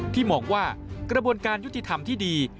ที่มองว่ากระบวนการยุติธรรมที่ดี